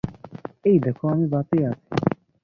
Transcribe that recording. এই দেখো, আমি বাঁচিয়া আছি।